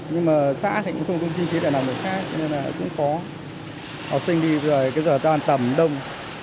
nhưng mà xã thì cũng không có chinh chế để làm được khác nên là cũng khó học sinh đi rồi giờ toàn tầm đông